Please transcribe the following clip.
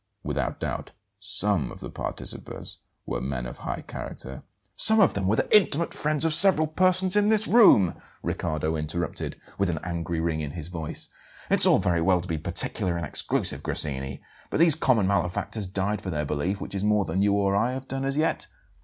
Without doubt, SOME of the participators were men of high character " "Some of them were the intimate friends of several persons in this room!" Riccardo interrupted, with an angry ring in his voice. "It's all very well to be particular and exclusive, Grassini; but these 'common malefactors' died for their belief, which is more than you or I have done as yet."